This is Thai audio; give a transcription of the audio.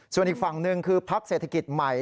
ส่วนอีกฝั่งหนึ่งคือพักเศรษฐกิจใหม่